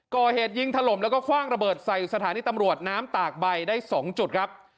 ก่อเหตุยิงถล่มแล้วก็คว่างระเบิดใส่สถานีตำรวจน้ำตากใบได้๒จุดครับ